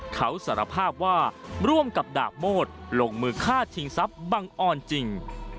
เขาสารภาพว่าร่วมกับดาบโมดลงมือฆ่าชิงทรัพย์บังออนจริง